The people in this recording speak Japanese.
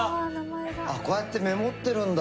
こうやってメモってるんだ。